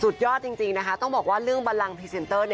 ยอดจริงนะคะต้องบอกว่าเรื่องบันลังพรีเซนเตอร์